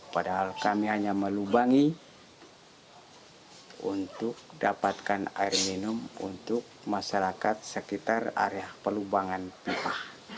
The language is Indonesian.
padahal kami hanya melubangi untuk dapatkan air minum untuk masyarakat sekitar area pelubangan pipa